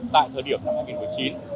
tại thời điểm năm hai nghìn một mươi chín